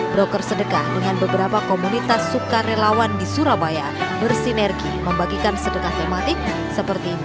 broker sedekah dengan beberapa komunitas sukarelawan di surabaya bersinergi membagikan sedekah tematik seperti